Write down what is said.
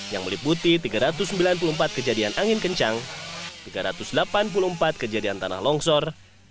yang meliputi tiga ratus sembilan puluh empat kejadian angin kencang tiga ratus delapan puluh empat kejadian tanah longsor